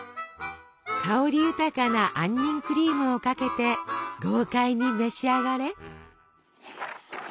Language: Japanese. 香り豊かな杏仁クリームをかけて豪快に召し上がれ！